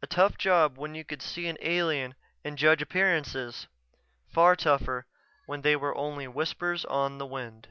A tough job when you could see an alien and judge appearances; far tougher when they were only whispers on the wind.